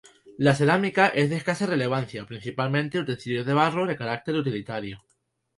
La cerámica es de escasa relevancia, principalmente utensilios de barro de carácter utilitario.